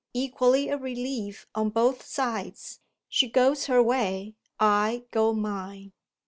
Equally a relief on both sides. She goes her way, I go mine."